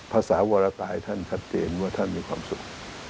ภาษาวรกายท่านชัดเจนว่าท่านมีความสุข